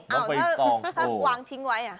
ถ้าวางทิ้งไว้